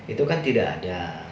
itu kan tidak ada